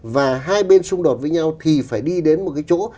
và hai bên xung đột với nhau thì phải đi đến một cái chỗ